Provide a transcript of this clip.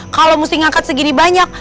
kalau mesti ngangkat segini banyak